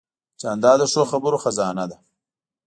جانداد د ښو خبرو خزانه ده.